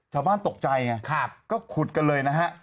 ชาวบ้านตกใจก็ขุดกันเลยนะฮะ